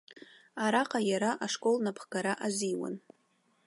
Араҟа иара ашкол напхгара азиуан.